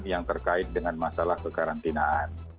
yang terkait dengan masalah kekarantinaan